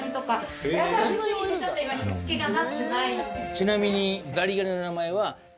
ちなみに。